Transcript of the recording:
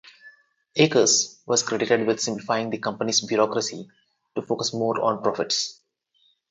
Akers was credited with simplifying the company's bureaucracy to focus more on profits.